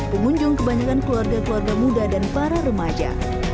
pengunjung kebanyakan keluarga keluarga muda dan para remaja